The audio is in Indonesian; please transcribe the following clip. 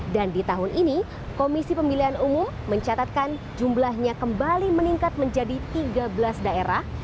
dan di tahun ini komisi pemilihan umum mencatatkan jumlahnya kembali meningkat menjadi tiga belas daerah